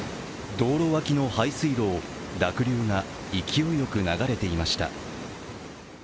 道路脇の排水路を濁流が勢いよく流れていました。